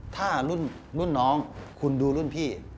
ถ้ารุ่นน้องคุณดูรุ่นพี่